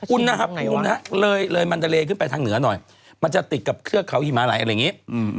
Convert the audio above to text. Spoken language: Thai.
อุณหภูมินะเลยมันทะเลขึ้นไปทางเหนือหน่อยมันจะติดกับเทือกเขาหิมาลัยอะไรอย่างนี้